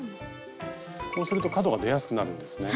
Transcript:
こうすると角が出やすくなるんですね。